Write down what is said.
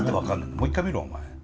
もう一回見ろお前。